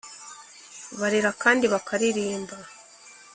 Barira kandi baka ririmba